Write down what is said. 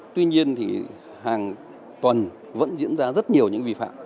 tuy nhiên thì hàng tuần vẫn diễn ra rất nhiều những vi phạm